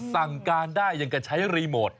สั่งการได้อย่างกับใช้รีโมท